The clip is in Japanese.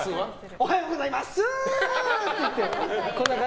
おはようございまっすー！って。